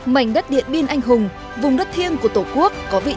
mảnh đất điện biên anh hùng vùng đất thiêng của tổ quốc